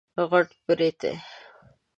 غټ برېتی